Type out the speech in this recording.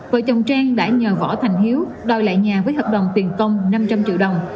vợ chồng trang đã nhờ võ thành hiếu đòi lại nhà với hợp đồng tiền công năm trăm linh triệu đồng